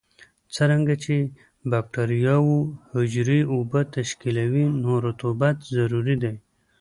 څرنګه چې د بکټریاوو حجرې اوبه تشکیلوي نو رطوبت ضروري دی.